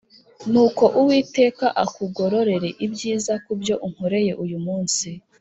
Nuko Uwiteka akugororere ibyiza ku byo unkoreye uyu munsi.